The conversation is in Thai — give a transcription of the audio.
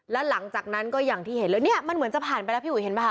แล้วหลังจากนั้นก็อย่างที่เห็นแล้วเนี่ยมันเหมือนจะผ่านไปแล้วพี่อุ๋ยเห็นป่ะ